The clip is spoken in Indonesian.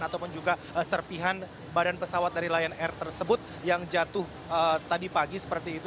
ataupun juga serpihan badan pesawat dari lion air tersebut yang jatuh tadi pagi seperti itu